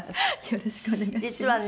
よろしくお願いします。